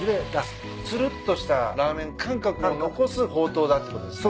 つるっとしたラーメン感覚を残すほうとうだってことですね。